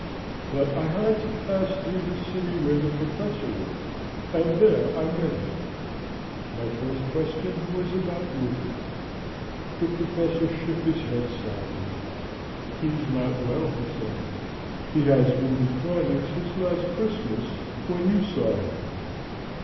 But I had to pass through the city where the Professor lived, and there I met him. My first question was about Rupert. The Professor shook his head sadly. 'He's not so well,' he said; 'he has been declining since last Christmas, when you saw him.